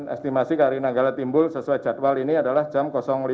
estimasi kri nanggalat timbul sesuai jadwal ini adalah jam lima lima belas